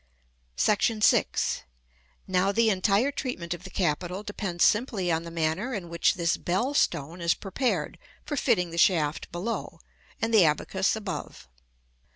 [Illustration: Fig. XX.] § VI. Now the entire treatment of the capital depends simply on the manner in which this bell stone is prepared for fitting the shaft below and the abacus above.